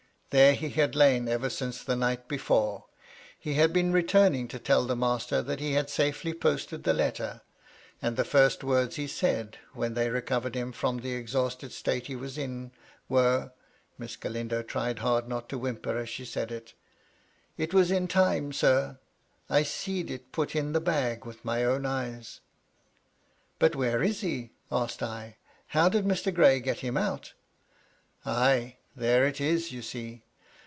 There he had lain ever since the night before : he had been returning to tell the master that he had safely posted the letter, and the first words he said, when they recovered him from the exhausted state he was in, were " (Miss Galindo tried hard not to whimper, as she said it), "* It was in time, sir. I see'd it put in the bag with my own eyes.' "" But where is he ?" asked I. " How did Mr. Gray get him out ?"" Ay 1 there it is, you see.